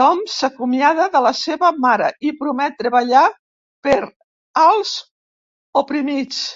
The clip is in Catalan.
Tom s'acomiada de la seva mare i promet treballar per als oprimits.